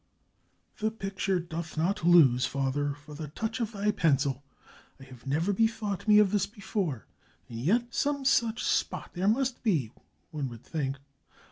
"The picture doth not lose, father, for the touch of thy pencil! I have never bethought me of this before; and yet some such spot there must be, one would think.